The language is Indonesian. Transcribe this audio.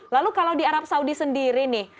lalu kalau di arab saudi sendiri nih